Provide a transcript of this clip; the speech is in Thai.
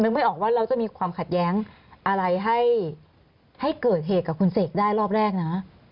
ไม่ออกว่าเราจะมีความขัดแย้งอะไรให้เกิดเหตุกับคุณเสกได้รอบแรกนะ